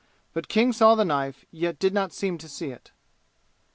But King saw the knife, yet did not seem to see it.